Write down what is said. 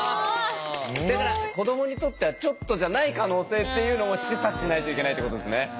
だから子どもにとってはちょっとじゃない可能性っていうのも示唆しないといけないってことですね。